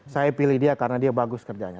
saya pilih dia karena dia bagus kerjanya